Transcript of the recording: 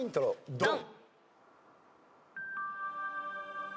ドン！